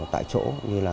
tại chỗ như là